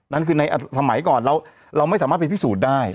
นั่นคือในสมัยก่อนเราไม่สามารถไปพิสูจน์ได้